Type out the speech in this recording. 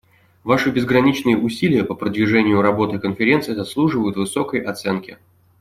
Ваши безграничные усилия по продвижению работы Конференции заслуживают высокой оценки.